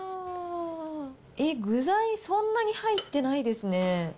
えっ、具材、そんなに入ってないですね。